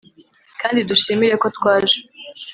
kandi dushimire ko twaje.